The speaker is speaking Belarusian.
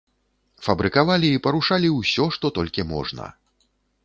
Фабрыкавалі і парушалі ўсё, што толькі можна.